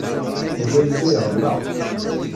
Yuba yella iɣelleq.